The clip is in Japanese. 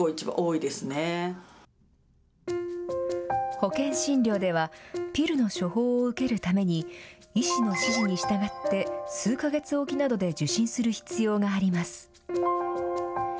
保険診療ではピルの処方を受けるために医師の指示に従って数か月おきなどで受診する必要があります。